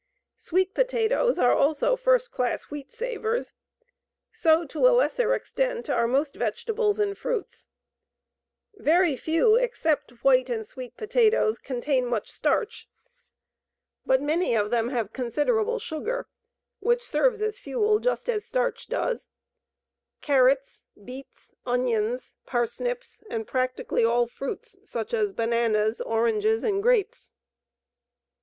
Sweet potatoes are also first class wheat savers. So to a lesser extent are most vegetables and fruits. Very few except white and sweet potatoes contain much starch, but many of them have considerable sugar, which serves as fuel just as starch does carrots, beets, onions, parsnips, and practically all fruits such as bananas, oranges, and grapes.